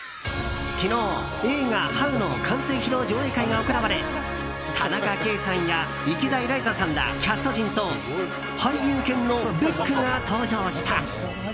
昨日、映画「ハウ」の完成披露上映会が行われ田中圭さんや池田エライザさんらキャスト陣と俳優犬のベックが登場した。